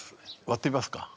割ってみますか？